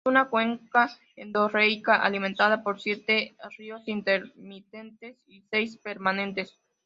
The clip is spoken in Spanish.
Es una cuenca endorreica alimentada por siete ríos intermitentes y seis permanentes.